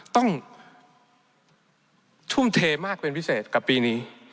ต้องทุ่มเทมากเป็นพิเศษกับปีนี้